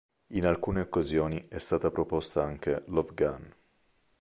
In alcune occasioni è stata proposta anche "Love Gun".